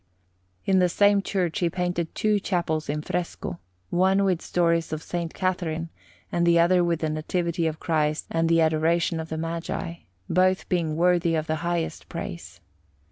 In the same church he painted two chapels in fresco: one with stories of S. Catherine, and the other with the Nativity of Christ and the Adoration of the Magi, both being worthy of the highest praise.